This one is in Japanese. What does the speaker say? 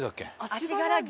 足柄牛。